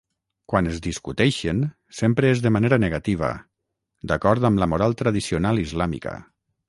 Quan es discuteixen, sempre és de manera negativa, d'acord amb la moral tradicional islàmica.